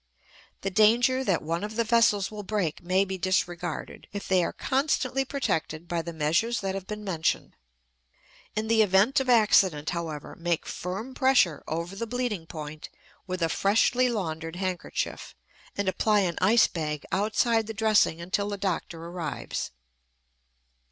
The danger that one of the vessels will break may be disregarded, if they are constantly protected by the measures that have been mentioned. In the event of accident, however, make firm pressure over the bleeding point with a freshly laundered handkerchief, and apply an ice bag outside the dressing until the doctor arrives.